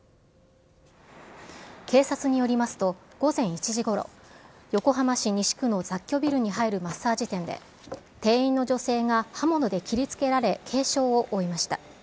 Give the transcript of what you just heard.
警察によりますと、午前１時ごろ、横浜市西区の雑居ビルに入るマッサージ店で、店員の女性が刃物で切りつけられ、軽傷を負いました。